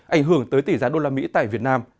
ảnh hưởng tới tỷ giá đô la mỹ tại việt nam